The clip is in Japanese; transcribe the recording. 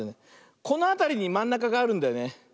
このあたりにまんなかがあるんだよね。